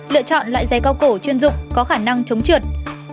lựa chọn loại giấy cao cổ chuyên dụng có khả năng chống trượt